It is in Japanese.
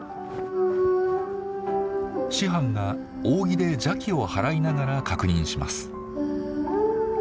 師範が扇で邪気を祓いながら確認します。